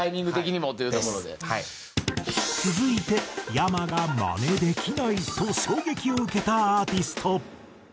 続いてｙａｍａがマネできないと衝撃を受けたアーティスト。